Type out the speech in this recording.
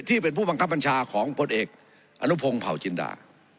ที่เป็นผู้บังคับบัญชาของผลเอกอนุพงศ์เผาจินดา